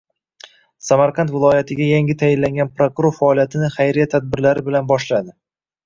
Samarqand viloyatiga yangi tayinlangan prokuror faoliyatini xayriya tadbirlari bilan boshladi